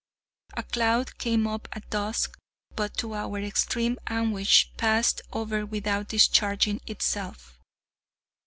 A cloud came up at dusk, but, to our extreme anguish, passed over without discharging itself.